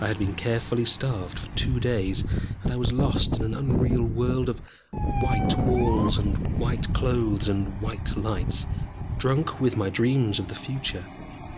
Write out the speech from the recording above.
I had been carefully starved for two days, and I was lost in an unreal world of white walls and white clothes and white lights, drunk with my dreams of the future.